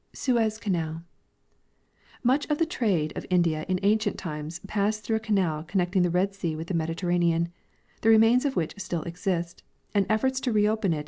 Suez Canal. Much of the trade of India in ancient times passed through a canal connecting the Red sea Avith the Mediterranean, the remains of Avliich still exist, and efforts to reopen it